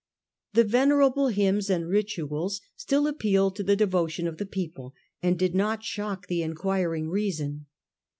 The venerable hymns and rituals still appealed to the devotion of the people and did not shock the inquiring reason.